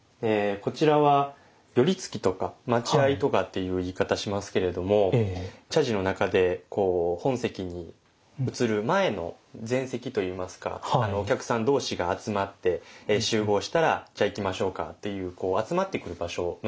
こちらは「寄付」とか「待合」とかっていう言い方しますけれども茶事の中でこう本席に移る前の前席と言いますかお客さん同士が集まって集合したらじゃあ行きましょうかっていう集まってくる場所のようなイメージでよろしいかと思いますね。